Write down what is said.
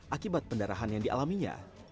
akibat pendarahan yang dialaminya